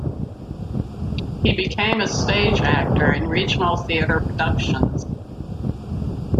He became a stage actor in regional theater productions.